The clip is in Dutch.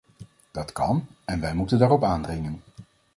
Dat kan, en wij moeten daarop aandringen.